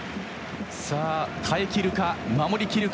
さあ耐えきるか守り切るか。